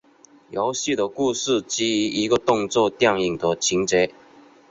游戏的故事基于一个动作电影的情节。